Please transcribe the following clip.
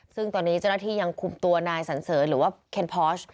ซึ่งตอนนี้เจ้าหน้าที่ยังคุมตัวนายสันเสริญหรือว่าเคนพอช